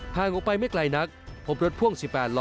ออกไปไม่ไกลนักพบรถพ่วง๑๘ล้อ